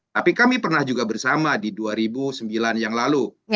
tapi kami pernah juga bersama di dua ribu sembilan yang lalu